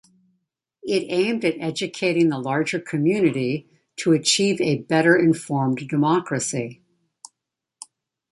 It aimed at educating the larger community to achieve a better informed democracy.